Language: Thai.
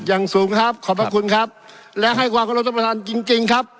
อย่างสูงครับขอบพระคุณครับและให้ความขอรบท่านประธานจริงจริงครับ